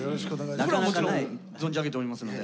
僕らはもちろん存じ上げておりますので。